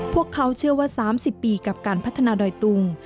พวกเขาเชื่อว่า๓๐ปีกับการพัฒนาดอยตุง